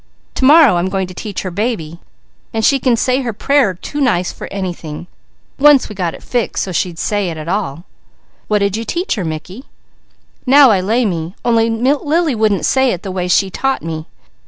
To morrow I am going to teach her 'baby,' and she can say her prayer too nice for anything, once we got it fixed so she'd say it at all." "What did you teach her, Mickey?" "'Now I lay me,' only Lily wouldn't say it the way She taught me.